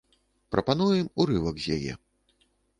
Прапануем урывак з яе.